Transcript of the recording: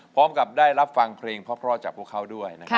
พร้อมกับได้รับฟังเพลงเพราะจากพวกเขาด้วยนะครับ